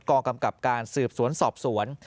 กำกับการสืบสวนสอบสวน